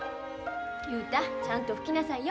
雄太ちゃんと拭きなさいよ。